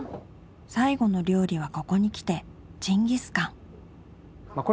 最後の料理はここにきてジンギスカン！